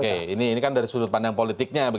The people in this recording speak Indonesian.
oke ini kan dari sudut pandang politiknya